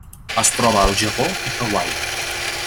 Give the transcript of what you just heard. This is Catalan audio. Es troba al Japó i Hawaii.